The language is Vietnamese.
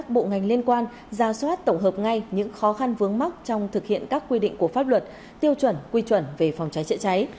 bộ ngành liên quan ra soát tổng hợp ngay những khó khăn vướng mắt trong thực hiện các quy định của pháp luật tiêu chuẩn quy chuẩn về phòng cháy chữa cháy